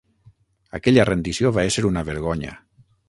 Aquella rendició va ésser una vergonya.